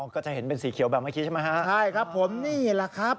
ก็จะเห็นเป็นสีเขียวแบบเมื่อกี้ใช่ไหมฮะใช่ครับผมนี่แหละครับ